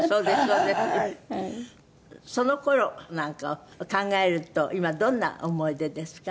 その頃なんかを考えると今どんな思い出ですか？